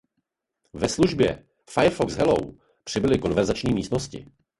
Ve službě "Firefox Hello" přibyly konverzační místnosti.